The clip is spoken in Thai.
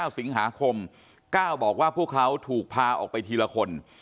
๙สิงหาคมก้าวบอกว่าพวกเขาถูกพาออกไปทีละคน